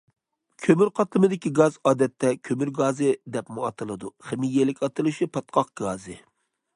كۆمۈر قاتلىمىدىكى گاز ئادەتتە كۆمۈر گازى دەپمۇ ئاتىلىدۇ، خىمىيەلىك ئاتىلىشى پاتقاق گازى.